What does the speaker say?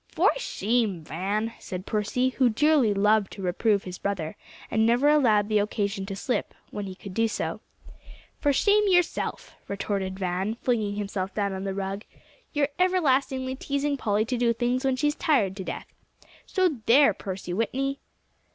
"For shame, Van!" said Percy, who dearly loved to reprove his brother, and never allowed the occasion to slip when he could do so. "For shame yourself!" retorted Van, flinging himself down on the rug. "You're everlastingly teasing Polly to do things when she's tired to death. So there, Percy Whitney."